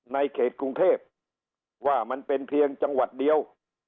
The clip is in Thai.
ในเขตกรุงเทพว่ามันเป็นเพียงจังหวัดเดียว